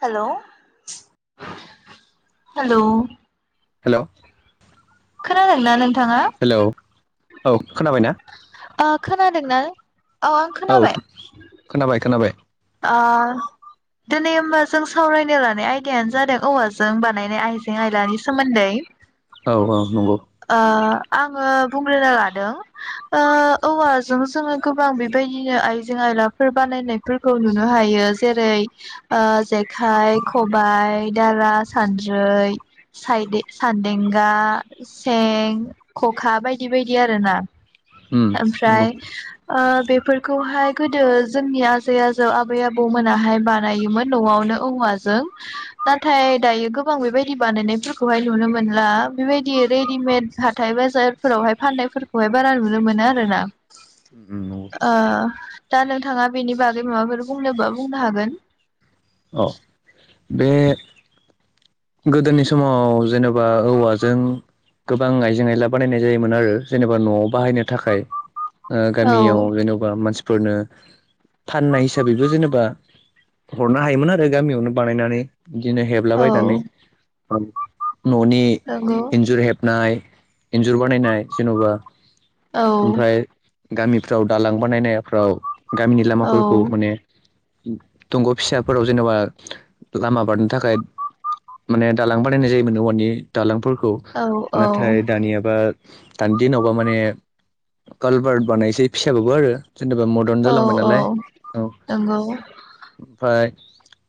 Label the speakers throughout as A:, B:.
A: हेल' hello
B: hello
A: खोनादोंना नोंथाङा?
B: Hello औ खोनाबायना?
A: ओ खोनादों ना?
B: औ खोनाबाय खोनाबाय
A: ओ दिनै होनबा जों सावरायनो लानाय आयदायानो जादों औवाजों बानायनाय आइजें आयलानि सोमोन्दै
B: औ औ नंगौ।
A: ओ आङो बुंग्रोनो लादों ओ औवाजों जोङो गोबां बेबायदिनो आइजें आय लाफोर बानायनायफोर खौ नुनो हायो जेरै ओ जेखाइ खबाइ दारा सान्द्रै- द्रै सायदे सानदेंगा सें खखा बायदि बायदि आरो ना
B: उम नंगौ
A: ओमफ्राय ओ बेफोरखौहाय गोदो जोंनि आजै आजौ आबै आबौ मोनाहाय बानायोमोन न'आवनो औवाजों नाथाय दायो गोबां बेबायदि बानायनायफोरखौहाय नुनो मोनला बेबायदि रेडिमेड हाथाय बाजारफोरावहाय फानाय फोरखौ हाय बारा नुनो मोनो आरोना ओ दा नोंथाङा बिनि बा गै माबाफोर बुंनोबा बुंनो हागोन।
B: औ बे गोदोनि समाव जेनेबा औवाजों गोबां आइजें आयला बानायनाय जायोमोन आरो जेनेबा न'आव बाहायनो थाखाय ओ
A: औ
B: गामियाव जेन'बा मानसिफोरनो फाननाय हिसाबैबो जेनेबा हरनो हायोमोन आरो गामियावनो बानायनानै बिदिनो
A: औ
B: हेबलाबायनानै न'नि
A: नंगौ
B: इन्जुर हेबनाय इन्जुर बानायनाय जेन'बा
A: औ
B: ओमफ्राय गामिफ्राव दालां बानायनायफ्राव गामिनि लामाफोरखौ
A: औ
B: माने दंग' फिसाफोराव जेनेबा लामा बारनो थाखाय माने दालां बानायनाय जायोमोन औवानि दालांफोरखौ
A: औ औ
B: नाथाय दानियाबा दानि दिनावबा माने कालबार बानायनोसै फिसाबाबो आरो जेनेबा मदार्न जालांबाय नालाय औ
A: नंगौ
B: ओमफाय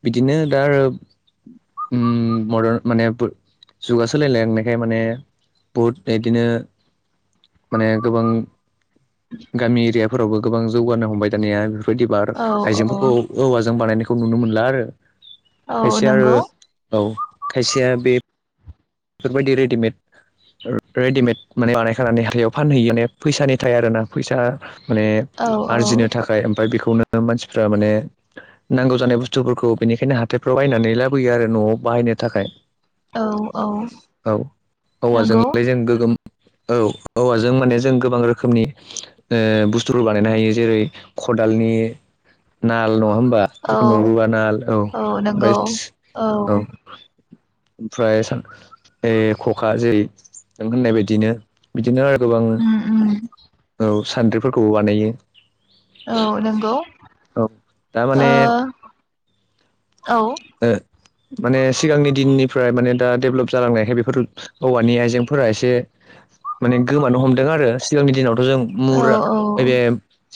B: बिदिनो दा आरो मदार्न माने जुगा सोलायलांनायखाय माने बहुत एदिनो माने गोबां गामि एरियाफोरावबो गोबां जौगानो हमबाय दानिया बेफोर बायदि बार
A: औ औ
B: आइजेंफोरखौ औवाजों बानायनायखौ नुनो मोनला आरो
A: औ
B: खायसे आरो
A: नंगौ
B: औ खायसेया बे बेफोरबायदि रेडिमेड रेडिमेड माने बानायखानि हाथायायाव फानहैयो ने फैसानि थायो आरोना फैसा माने
A: औ औ
B: आरजिनो थाखाय ओमफफ्राय बेखौनो मानसिफ्रा माने नांगौ जानाय बुस्थुफोरखौ बेनिखायनो हाथायफ्राव बायनानै लाबोयो आरो न'आव बाहायनो थाखाय
A: औ
B: औ
A: नंगौ
B: औवाजोंलै जों गोगोम औ औ जों माने जों गोबां रोखोमनि ओ बुस्थुफोर बानायनो हायो जेरै खदालनि नाल नंङाम बा जखुनु
A: औ
B: रुवा नाल औ बाय औ ओमफ्राय खखा जैरै होननाय बायदिनो बिदिनो आरो गोबां
A: उम उम
B: औ सान्द्रिफोरखौबो बानायो
A: औ नंगौ
B: औ
A: ओ
B: दामाने
A: औ।
B: माने सिगांनि दिननिफ्राय माने दा डेभेलप जालांनायखाय बेफोर औवानि आइजेंफोरा एसे माने गोमानो हमदों आरो सिगांनि दिनाव बे जों मुरा
A: औ
B: बे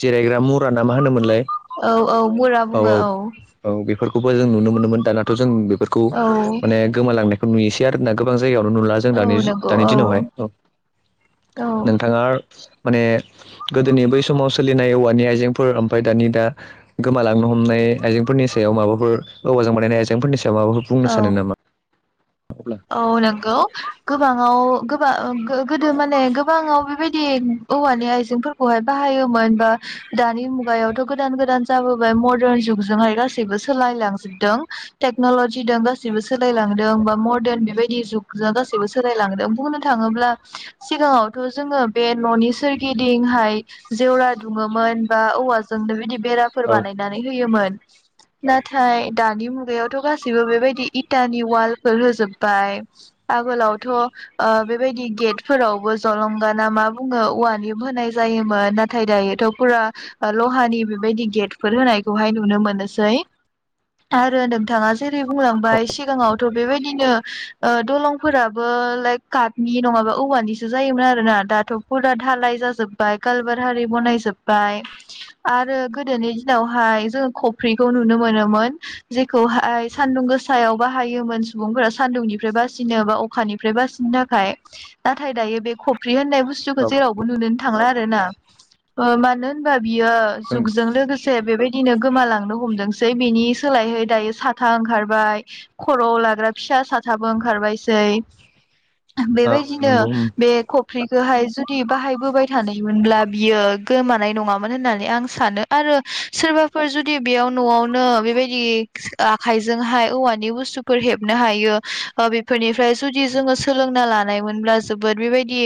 B: जिरायग्रा मुरा ना मा होनोमोनलाय
A: औ औ बुरा बुंङो औ।
B: फोरखौबो जों नुनो मोनोमोन दानाथ' जों बेफोरखौ
A: औ
B: माने गोमालांनायखौ नुयोसै आरोना गोबां जायगायावनो नुला जों
A: औ नंगौ
B: दानि
A: औ
B: दिनावहाय औ।
A: औ
B: नोंथांङा माने गोदोनि बै समाव सोलिनाय औवानि आइजेंफोर ओमफफ्राय दानि दा गोमालांनो हमनाय आइजेंफोरनि सायाव माबाफोर औवाजों बानायनाय एजेंटफोरनि सायाव माबाफोर बुंनो
A: औ
B: सानो नामा? अब्ला
A: औ नोंगौ गोबांङाव गोबां ओ गो-गोदो माने गोबांङाव बेबायदि औवानि आइजेंफोरखौहाय बाहायोमोन बा दानि मुगायावथ' गोदान गोदान जाबोबाय मदारन जुगजोंहाय गासैबो सोलायलांजोबदों थेकनलजि दो सोलायलांदों बा म दोरन बेबायदि जुग गासैबो सोलायलांदों। बुंनो थांङोब्ला सिगांङावथ' जोंङो बे न' नि सोरगिदिहाय जेवरा दुमोमोन बा औवा जोंनो बेबायदि बेराफोर बानायनानै होयोमोन। नाथाय दानि मुगायावथ' गासैबो बेबायदि इटानि वालफोर होजोब बाय। आगोलावथ' ओ बेबायदि गेटफोरावबो जलंगाना मा बुंङो औवानि होनाय जायोमोन नाथाय दायोथ' फुरा लहानि बेबायदि गेटफोर होनायखौहाय नुनो मोननोसै। आरो नोंथांङा जेरै बुंलांबाय सिगांङावथ' बेबायदिनो ओ दलंफोराबो लाइक काटनि नंङाबा औवानिसो जायोमोन आरोना दाथ' फुरा हालाय जाजोब्बाय गालबार हारि बनाय जोबबाय आरो गोदोनि दिनावहाय जों खफ्रिखौ नुनो मोनो मोन जेखौहाय सान्दुं गोसायाव बाहायोमोन सुबुंफोरा सान्दुंनिफ्राय बासिनो बा अखानिफ्राय बासिनो थाखाय नाथाय दायो बे ख फ्रि होननाय बुस्थुखौ
B: औ
A: जेरावबो नुनोनो थांलाय आरोना। ओ मानो होनबा बियो
B: औ
A: जुगजों लोगो से बेबायदिनो गोमालांनो हमदोंसै बिनि सोलायहै दायो साथा ओंखारबाय खर'आव लाग्रा फिसा साथाबो ओंखारबायसै।
B: औ
A: बेबायदिनो
B: नंगौ उम
A: बे ख फ्रिखोहाय जुदि बाहायबोबाय थानायमोनब्ला बियो गोमानाय नंङामोन होननानै आं सानो आ रो सोरबाफोर जुदि बेयाव न'आवनो बेबायदि आखाइजोंहाय औवानि बुस्थुफोर हेब नो हायो ओ बेफोरनिफ्राइ जुदि जोंङो सोलोंना लानाय मोनब्ला जोबोद बेबायदि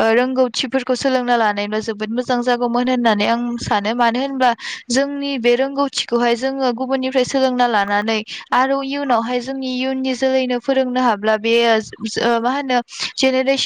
A: ओ रोंगौथिफोरखौ सोलोंना लानायब्ला जोबोद मोजां जागौमोन होननानै आं सानो। मानो होनोबा जों नि रोंगौथिखौ जोंङो गुबुननिफ्राय सोलोंनानै लानानै आरो इयुनावहाय जोंनि इयुननि जोलैनो फोरोंनो हाब्ला बेयो जो-जो मा होनो जेनेरेसन